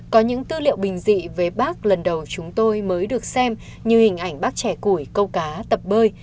có những tư liệu bình dị về bác lần đầu chúng tôi mới được xem như hình ảnh bác trẻ củi câu cá tập bơi